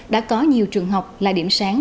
đã có nhiều trường học là điểm sáng